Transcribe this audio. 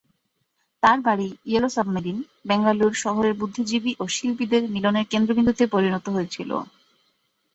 তার বাড়ি "yellow submarine" Bengaluru শহরের বুদ্ধিজীবী ও শিল্পীদের মিলনের কেন্দ্রবিন্দুতে পরিণত হয়েছিল।